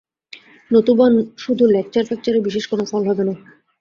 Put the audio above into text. নতুবা শুধু লেকচার-ফেকচারে বিশেষ কোন ফল হবে না।